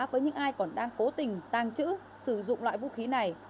với những ai còn đang cố tình tăng trữ sử dụng loại vũ khí này